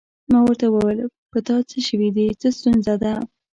ما ورته وویل: په تا څه شوي دي؟ څه ستونزه ده؟